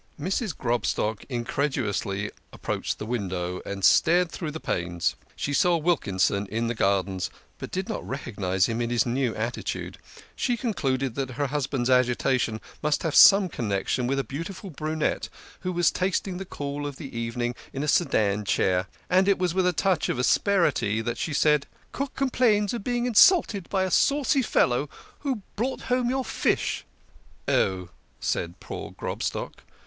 Mrs. Grobstock incredulously approached the window and stared through the panes. She saw Wilkinson in the gardens, but did .not recognise him in his new attitude. She con cluded that her husband's agitation must have some connec 40 THE KING OF SCHNORRERS. tion with a beautiful brunette who was tasting the cool of the evening in a sedan chair, and it was with a touch of asperity that she said :" Cook complains of being insulted by a saucy fellow who brought home your fish." " Oh !" said poor Grobstock.